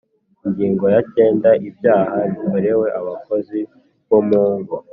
Ingingo ya cyenda Ibyaha bikorewe abakozi bo mungo